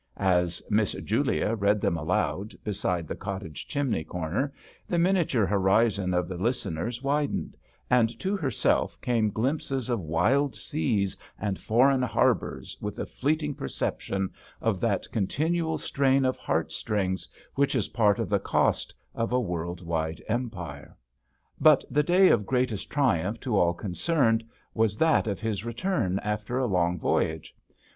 As "Miss Julia" read them aloud beside the cottage chimney corner, the miniature horizon of the listeners widened, and to herself came glimpses of wild seas and foreign harbours, with a fleeting perception of that continual strain of heart strings which is part of the cost of a world wide Empire. But the day of greatest triumph to all concerned was that of his return after a long voyage.